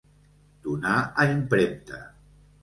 Donar a impremta.